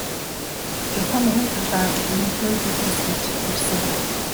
Чухам энэ талаар л нэгдүгээр бүлгээс эхэлж ярьсан байгаа.